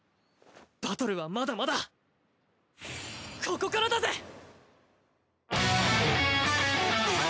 バトルはまだまだここからだぜ！